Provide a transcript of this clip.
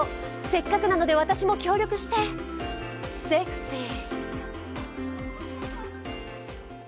せっかくなので、私も協力してセクシー。